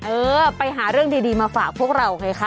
เออไปหาเรื่องดีมาฝากพวกเราไงคะ